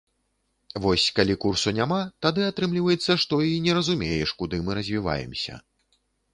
Вось калі курсу няма, тады атрымліваецца, што і не зразумееш, куды мы развіваемся.